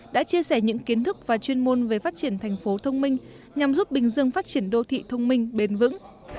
đã chia sẻ những kiến thức và chuyên môn về phát triển thành phố thông minh nhằm giúp bình dương phát triển đô thị thông minh bền vững